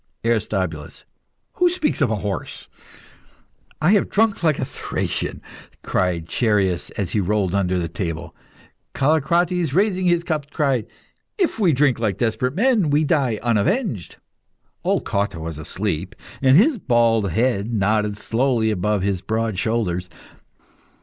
ARISTOBULUS. Who speaks of a horse? "I have drunk like a Thracian!" cried Chereas and he rolled under the table. Callicrates, raising his cup, cried "If we drink like desperate men, we die unavenged!" Old Cotta was asleep, and his bald head nodded slowly above his broad shoulders.